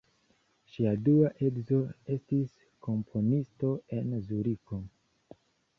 Ŝia dua edzo estis komponisto en Zuriko.